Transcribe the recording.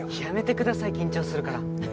やめてください緊張するから。